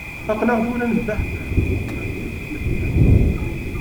Aql-aɣ tura nebbeḥbeḥ, neɛya seg umeddeḥ